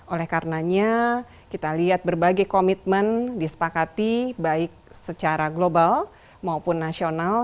oleh karenanya kita lihat berbagai komitmen disepakati baik secara global maupun nasional